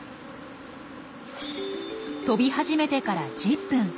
飛び始めてから１０分。